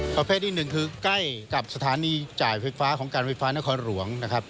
ประเภทที่๑คือใกล้กับสถานีจ่ายไฟฟ้าของการไฟฟ้านครหลวง